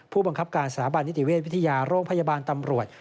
ผู้บังคับการสถาบันนิติเวชวิทยาโรงพยาบาลตำรวจ